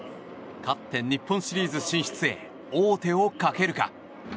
勝って、日本シリーズ進出へ王手をかけるか。